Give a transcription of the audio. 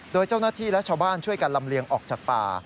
โดยเจ้าหน้าที่และชาวบ้านช่วยกันลำเลียงออกจากป่า